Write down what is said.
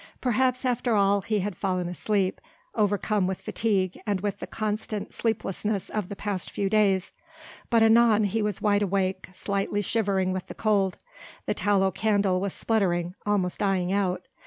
Perhaps after all he had fallen asleep, overcome with fatigue and with the constant sleeplessness of the past few days. But anon he was wide awake, slightly shivering with the cold. The tallow candle was spluttering, almost dying out.